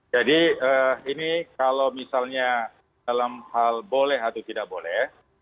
jadi ini kalau misalnya dalam hal boleh atau tidak boleh